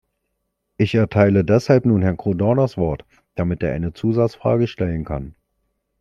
Ich erteile deshalb nun Herrn Caudron das Wort, damit er eine Zusatzfrage stellen kann.